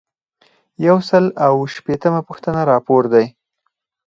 یو سل او اووه شپیتمه پوښتنه راپور دی.